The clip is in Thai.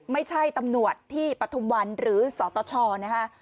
ไม่ใช่ตำรวจที่ปฐุมวันหรือสตชนะคะ